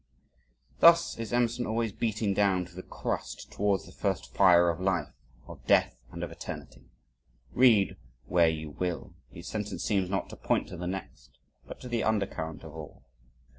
Thus is Emerson always beating down through the crust towards the first fire of life, of death and of eternity. Read where you will, each sentence seems not to point to the next but to the undercurrent of all.